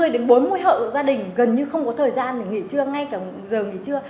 một mươi đến bốn mươi hộ gia đình gần như không có thời gian để nghỉ trưa ngay cả giờ nghỉ trưa